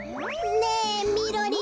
ねえみろりん。